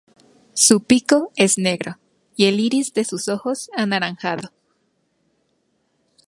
Su pico es negro y el iris de sus ojos anaranjado.